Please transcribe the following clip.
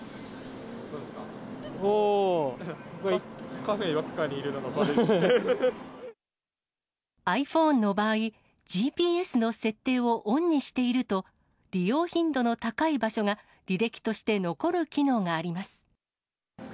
おー、ｉＰｈｏｎｅの場合、ＧＰＳの設定をオンにしていると、利用頻度の高い場所が履歴として残る機能があります。